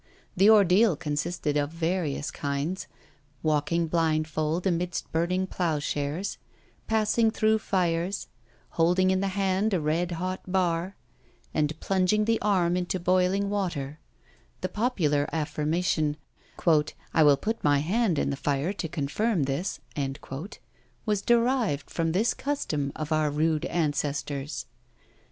The ordeal consisted of various kinds: walking blindfold amidst burning ploughshares; passing through fires; holding in the hand a red hot bar; and plunging the arm into boiling water: the popular affirmation "I will put my hand in the fire to confirm this," was derived from this custom of our rude ancestors.